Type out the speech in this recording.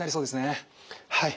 はい。